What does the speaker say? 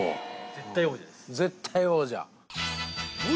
絶対王者？